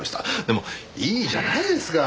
でもいいじゃないですか